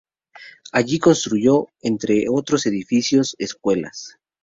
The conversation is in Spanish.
Allí construyó, entre otros edificios, escuelas.